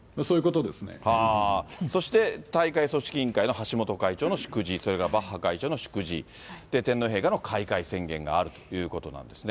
そして大会組織委員会の橋本会長の祝辞、それから、バッハ会長の祝辞、天皇陛下の開会宣言があるということなんですね。